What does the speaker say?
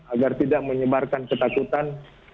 agar tidak menyebarkan ketakutan